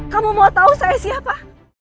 kamu mau tahu saya siapa